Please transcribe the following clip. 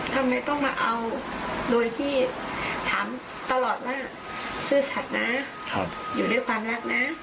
ทำไมต้องมาเอาโดยที่ถามตลอดว่าซื่อสัตว์นะอยู่ด้วยความรักนะ